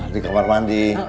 di kamar mandi